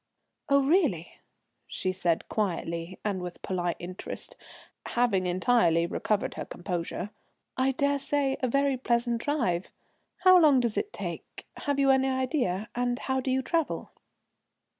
"Oh, really," she said quietly and with polite interest, having entirely recovered her composure. "I dare say a very pleasant drive. How long does it take, have you any idea, and how do you travel?"